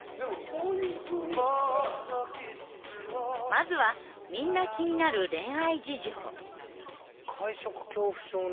まずはみんな気になる恋愛事情。